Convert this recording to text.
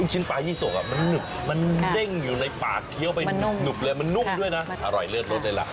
หนับเลยมันนุ่มด้วยนะอร่อยเลียดรสเลยระ